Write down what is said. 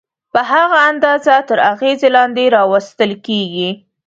په هغه اندازه تر اغېزې لاندې راوستل کېږي.